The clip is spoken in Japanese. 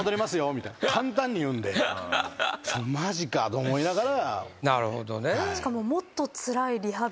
みたいな簡単に言うんで「マジか」と思いながら。